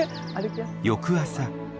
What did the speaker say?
翌朝。